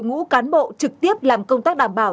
ngũ cán bộ trực tiếp làm công tác đảm bảo